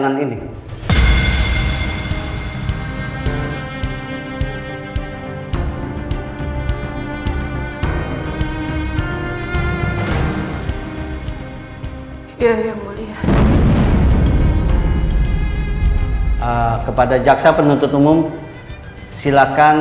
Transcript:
andinita dipersilkan untuk memasuki ruang